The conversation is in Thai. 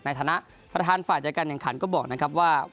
ในฐานะประธานฝ่ายจัดการแข่งขันก็บอกนะครับว่า